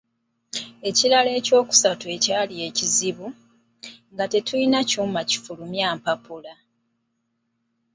Ekirala ekyokusatu ekyali ekizibu, nga tetulina kyuma kifulumya mpapula.